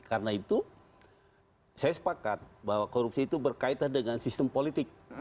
karena itu saya sepakat bahwa korupsi itu berkaitan dengan sistem politik